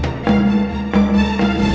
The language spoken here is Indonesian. jangan lupa joko tingkir